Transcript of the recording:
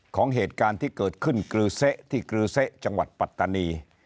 เหตุการณ์ที่เกิดขึ้นกรือเสะที่กรือเสะจังหวัดปัตตานี